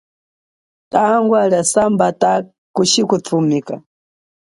Tangwa lia sambata kushi kuthumika.